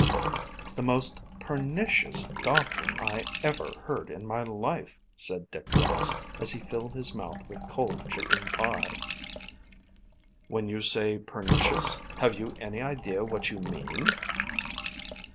"The most pernicious doctrine I ever heard in my life," said Dick Ross as he filled his mouth with cold chicken pie. "When you say pernicious, have you any idea what you mean?"